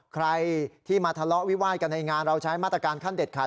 ใครที่มาทะเลาะวิวาดกันในงานเราใช้มาตรการขั้นเด็ดขาด